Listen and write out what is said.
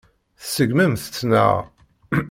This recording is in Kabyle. Tṣeggmemt-tt, naɣ?